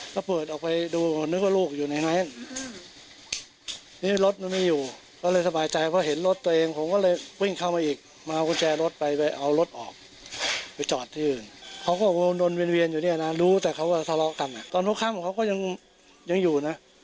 เขาก็เข้ามาอยู่แต่แฟนใหม่ของลูกสาวก็อยู่